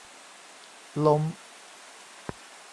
ล้ม